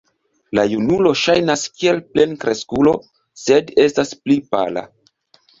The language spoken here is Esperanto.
La junulo ŝajnas kiel plenkreskulo, sed estas pli pala.